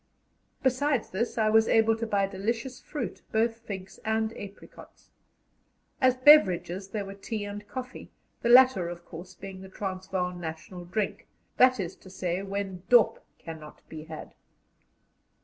Besides this, I was able to buy delicious fruit, both figs and apricots. As beverages there were tea and coffee, the latter, of course, being the Transvaal national drink that is to say, when "dop" cannot be had.